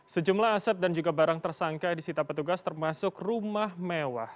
sejumlah aset dan juga barang tersangka disita petugas termasuk rumah mewah